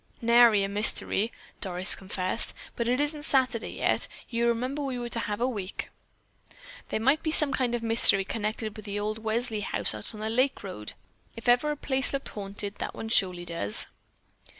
"Nary a mystery," Doris confessed, "but it isn't Saturday yet. You remember we were to have a week." "There might be some kind of a mystery connected with that old Welsley house out on the lake road. If ever a place looked haunted, that one surely does."